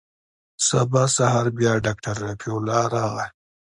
سبا سهار بيا ډاکتر رفيع الله راغى.